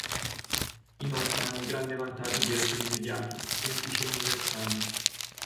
Inoltre hanno il grande vantaggio di essere immediati, semplici e universali.